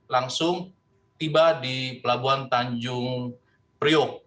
langsung tiba di pelabuhan tanjung priok